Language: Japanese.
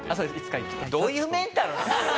どういうメンタルだよ！？